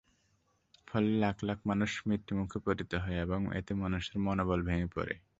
ফলে লাখ লাখ মানুষ মৃত্যুমুখে পতিত হয় এবং এতে মানুষের মনোবল ভেঙ্গে পড়ে।